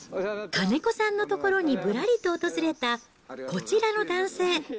金子さんのところにぶらりと訪れた、こちらの男性。